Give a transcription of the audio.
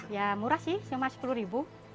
ya murah sih cuma rp sepuluh